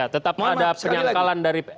tetap ada penyangkalan dari